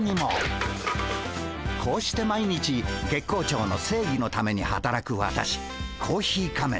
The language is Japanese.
こうして毎日月光町の正義のためにはたらく私コーヒー仮面。